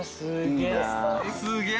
すげえ。